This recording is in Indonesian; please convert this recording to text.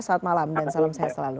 selamat malam dan salam sehat selalu